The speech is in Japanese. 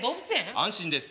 安心です